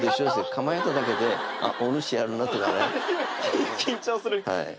構えただけであっお主やるなとかね緊張するこれは実力はいい